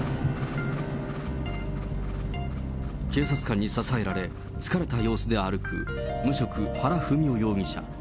警察官に支えられ、疲れた様子で歩く、無職、原文雄容疑者。